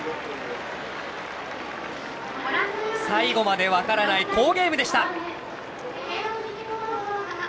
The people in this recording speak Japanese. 最後まで分からない好ゲームでした。